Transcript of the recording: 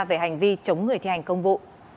về hành vi chống người thi hành công vụ